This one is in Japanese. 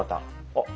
あっ！